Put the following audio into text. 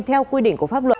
theo quy định của pháp luật